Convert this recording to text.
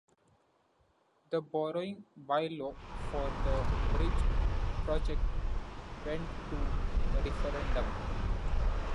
The borrowing bylaw for the bridge project went to a referendum.